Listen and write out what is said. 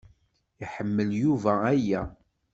Iḥemmel Yuba aya.